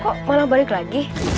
kok malah balik lagi